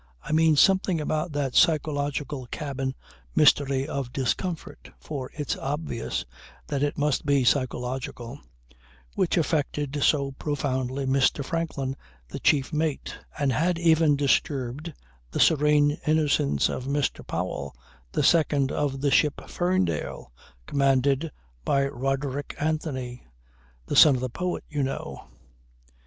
I mean something about that psychological cabin mystery of discomfort (for it's obvious that it must be psychological) which affected so profoundly Mr. Franklin the chief mate, and had even disturbed the serene innocence of Mr. Powell, the second of the ship Ferndale, commanded by Roderick Anthony the son of the poet, you know."